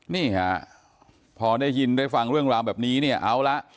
นี่ค่ะพอได้ยินได้ฟังเรื่องราวแบบนี้เนี่ยเอาละ